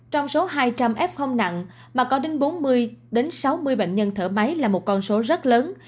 trong số hai trăm linh f nặng mà có đến bốn mươi sáu mươi bệnh nhân thở máy là một con số rất lớn